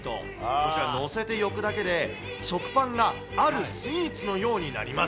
こちら載せて焼くだけで、食パンがあるスイーツのようになります。